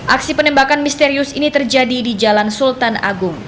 aksi penembakan misterius ini terjadi di jalan sultan agung